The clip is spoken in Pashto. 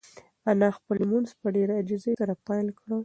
انا خپل لمونځ په ډېرې عاجزۍ سره پیل کړ.